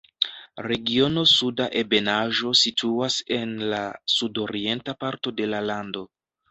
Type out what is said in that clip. Regiono Suda Ebenaĵo situas en la sudorienta parto de la lando.